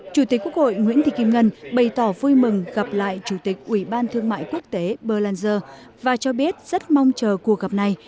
chủ tịch quốc hội nguyễn thị kim ngân bày tỏ vui mừng gặp lại chủ tịch ủy ban thương mại quốc tế berlanger và cho biết rất mong chờ cuộc gặp này